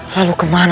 lalu kemana arahnya